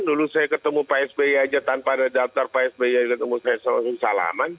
dulu saya ketemu pak sby aja tanpa ada daftar pak sby ketemu saya langsung salaman